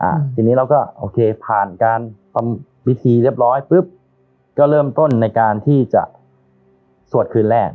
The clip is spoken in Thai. อ่าทีนี้เราก็โอเคผ่านการทำพิธีเรียบร้อยปุ๊บก็เริ่มต้นในการที่จะสวดคืนแรก